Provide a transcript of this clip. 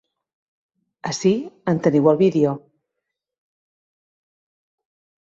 Ací en teniu el vídeo.